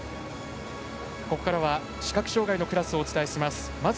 ここからは視覚障がいのクラスをお伝えします。